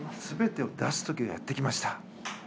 全てを出す時がやってきました。